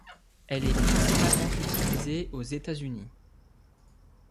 Elle est principalement utilisée aux États-Unis.